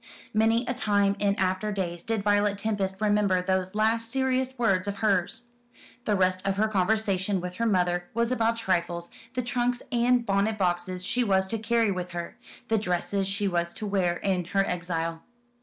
Many a time in after days did Violet Tempest remember those last serious words of hers. The rest of her conversation with her mother was about trifles, the trunks and bonnet boxes she was to carry with her the dresses she was to wear in her exile.